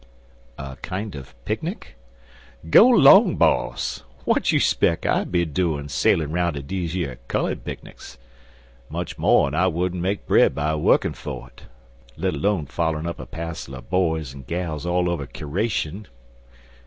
"A kind of picnic?" "Go long, boss! w'at you speck I be doin' sailin' 'roun' ter dese yer cullud picnics? Much mo' an' I wouldn't make bread by wukkin' fer't, let 'lone follerin' up a passel er boys an' gals all over keration.